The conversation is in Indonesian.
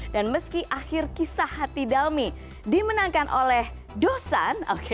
dan meski akhir kisah hati dalmi dimenangkan oleh dosan